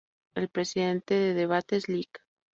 El Presidente de Debates, Lic.